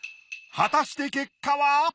果たして結果は！？